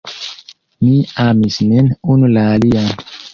Ni amis nin unu la alian.